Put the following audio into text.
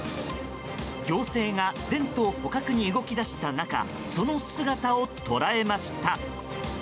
行政が全頭捕獲に動き出した仲その姿を捉えました。